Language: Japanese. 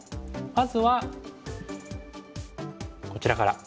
まずはこちらから。